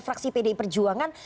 fraksi pdi perjuangan